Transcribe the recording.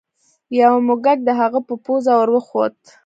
یو موږک د هغه په پوزه ور وخوت.